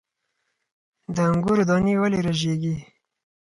د انګورو دانې ولې رژیږي؟